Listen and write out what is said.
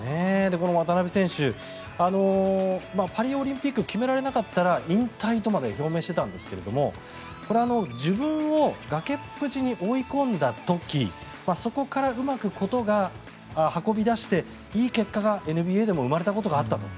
この渡邊選手パリオリンピックを決められなかったら引退とまで表明していたんですがこれ、自分を崖っぷちに追い込んだ時そこからうまく事が運び出していい結果がＮＢＡでも生まれたことがあったと。